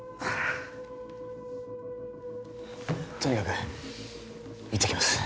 とにかく行ってきます